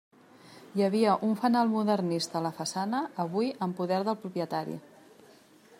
Hi havia un fanal modernista a la façana, avui en poder del propietari.